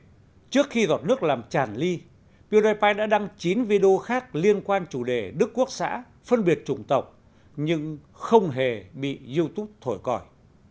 bởi trên thực tế trước khi giọt nước làm tràn ly pewdiepie đã đăng chín video khác liên quan chủ đề đức quốc xã phân biệt chủng tộc nhưng không hề bị youtube thổi còi